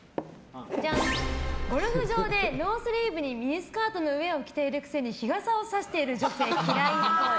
ゴルフ場でノースリーブにミニスカートのウェアを着ているくせに日傘をさしている女性嫌いっぽい。